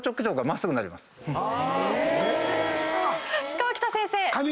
河北先生。